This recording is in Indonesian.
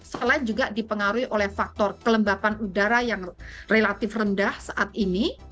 selain juga dipengaruhi oleh faktor kelembapan udara yang relatif rendah saat ini